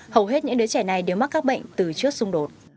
hầu hết những đứa trẻ này đều mắc các bệnh từ trước xung đột